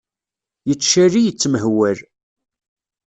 Yettcali yettemhewwal.